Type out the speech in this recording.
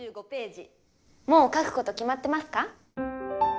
もう描くこと決まってますか？